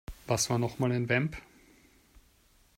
Was war nochmal ein Vamp?